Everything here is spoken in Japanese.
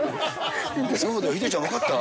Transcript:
そうだよ、ヒデちゃん、分かった？